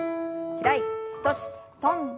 開いて閉じて跳んで。